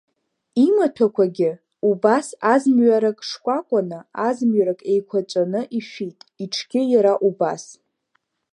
Имаҭәақәагьы убас азмҩарак шкәакәаны, азмҩарак еиқәаҵәаны ишәит, иҽгьы иара убас.